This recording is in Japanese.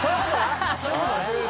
そういうことね。